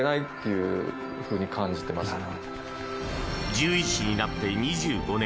獣医師になって２５年。